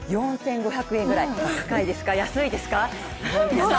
４５００円ぐらい高いですか、安いですか？